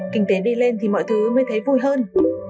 kinh tế đi lên thì mọi thứ mới thấy vui hơn